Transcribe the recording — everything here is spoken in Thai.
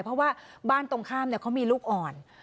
เพราะว่าบ้านตรงข้ามเขามีลูกอ่อน